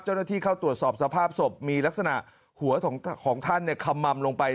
เจ้าหน้าที่เข้าตรวจสอบสภาพศพมีลักษณะหัวของท่านขมัมลงไป